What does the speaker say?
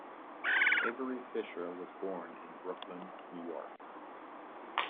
Avery Fisher was born in Brooklyn, New York.